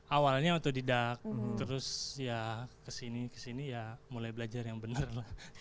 awalnya otodidak terus ya kesini kesini ya mulai belajar yang benar lah